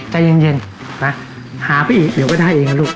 ใจเย็นหาพี่อีกนึงก็ได้ยังนะลูก